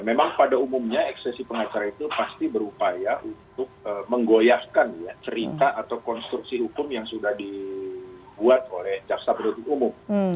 memang pada umumnya eksesi pengacara itu pasti berupaya untuk menggoyahkan ya cerita atau konstruksi hukum yang sudah dibuat oleh jaksa penduduk umum